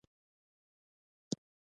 پیلوټ د الوتکې د اورېدو غږ ته حساس وي.